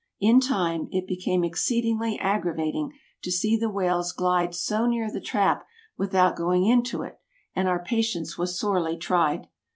In time, it became exceedingly aggravating to see the whales glide so near the trap without going into it, and our patience was sorely tried.